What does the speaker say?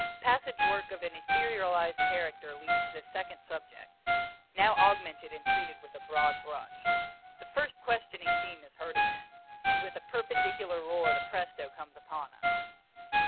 Passage work of an etherealized character leads to the second subject, now augmented and treated with a broad brush. The first questioning theme is heard again, and with a perpendicular roar the presto comes upon us.